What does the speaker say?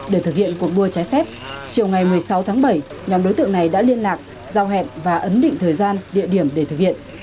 để thực hiện cuộc đua trái phép chiều ngày một mươi sáu tháng bảy nhóm đối tượng này đã liên lạc giao hẹn và ấn định thời gian địa điểm để thực hiện